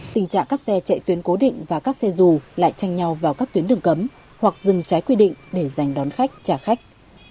tình trạng các xe chạy tuyến cố định và các xe dù lại tranh nhau vào các tuyến đường cấm hoặc dừng trái quy định để giành đón khách trả khách